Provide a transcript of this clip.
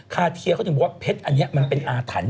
เทียเขาถึงบอกว่าเพชรอันนี้มันเป็นอาถรรพ์